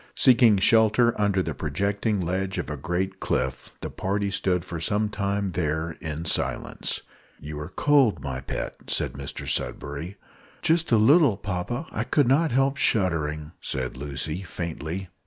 Seeking shelter under the projecting ledge of a great cliff, the party stood for some time there in silence. "You are cold, my pet," said Mr Sudberry. "Just a little, papa; I could not help shuddering," said Lucy, faintly.